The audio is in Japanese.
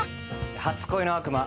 『初恋の悪魔』